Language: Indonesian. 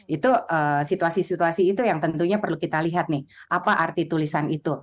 itu situasi situasi itu yang tentunya perlu kita lihat nih apa arti tulisan itu